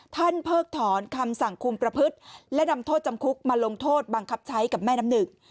เพิกถอนคำสั่งคุมประพฤติและนำโทษจำคุกมาลงโทษบังคับใช้กับแม่น้ำหนึ่ง